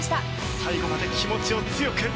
最後まで気持ちを強く。